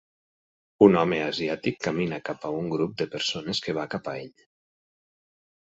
Un home asiàtic camina cap a un grup de persones que va cap a ell.